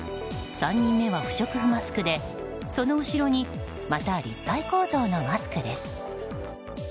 ３人目は不織布マスクでその後ろにまた立体構造のマスクです。